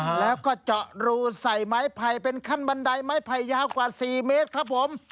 แล้วก็เจาะรูใส่ไม้ไผ่เป็นขั้นบันไดไม้ไผ่ยาวกว่าสี่เมตรครับผม